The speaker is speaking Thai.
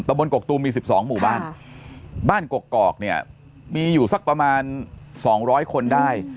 บนกกตูมมี๑๒หมู่บ้านบ้านกกอกเนี่ยมีอยู่สักประมาณ๒๐๐คนได้